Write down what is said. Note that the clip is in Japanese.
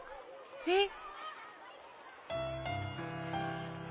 えっ？